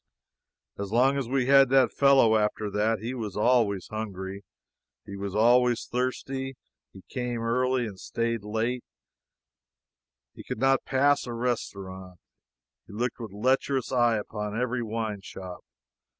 As long as we had that fellow after that, he was always hungry; he was always thirsty. He came early; he stayed late; he could not pass a restaurant; he looked with a lecherous eye upon every wine shop.